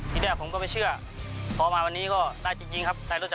จากคาราบาวแดงครับผม